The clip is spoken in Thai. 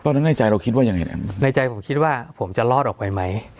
ในใจเราคิดว่ายังไงในใจผมคิดว่าผมจะรอดออกไปไหม